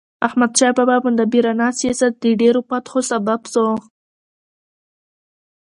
احمدشاه بابا مدبرانه سیاست د ډیرو فتحو سبب سو.